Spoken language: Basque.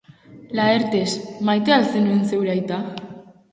Laertes, maite al zenuen zeure aita?